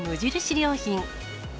良品。